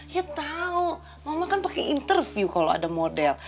dia tahu mama kan pakai interview kalau ada model